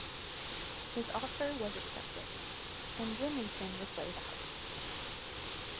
His offer was accepted, and Bloomington was laid out.